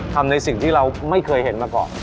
ทำในสิ่งที่เราไม่เคยเห็นมาก่อน